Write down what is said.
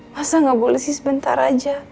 masa nggak boleh sih sebentar aja